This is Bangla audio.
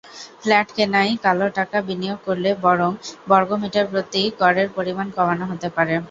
ফ্ল্যাট কেনায় কালোটাকা বিনিয়োগ করলে বরং বর্গমিটারপ্রতি করের পরিমাণ কমানো হতে পারে।